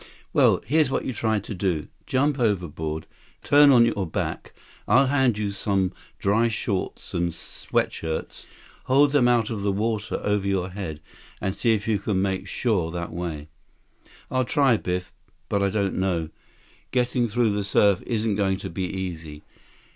"Well, here's what you try to do. Jump overboard. Turn on your back. I'll hand you some dry shorts and sweat shirts. Hold them out of water over your head and see if you can make shore that way." "I'll try, Biff. But I don't know. Getting through the surf isn't going to be easy.